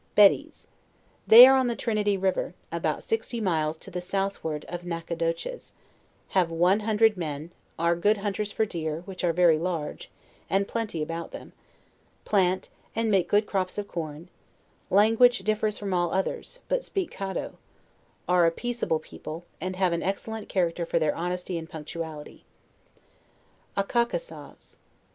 BEDIES. They are on the Trinity river, about eixty miles to the southward of Nacogdoches; have one hundred men; are good hunters for deer, which are ve*y large, and plenty about them; plant, and make good crops of corn; lan guage differs from all others, but speak Caddo; are a peacea ble people, and have an excellent character for their honesty and punctuality. ACCOCKESAWS.